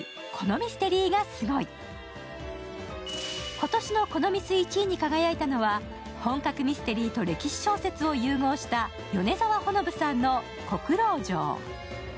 今年のこのミス１位に輝いたのは本格ミステリーと歴史小説を融合した、米澤穂信さんの「黒牢城」。